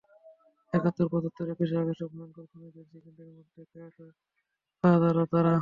একাত্তর, পঁচাত্তর, একুশে আগস্টের ভয়ংকর খুনিদের সিন্ডিকেটের প্রধান, কেয়ারটেকার এবং পাহারাদারও তারা।